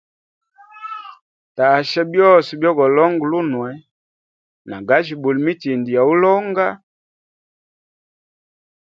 Tasha byose byo go longa lunwe, na gajibula mitindi ya ulonga.